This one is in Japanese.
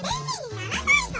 ならないぞ！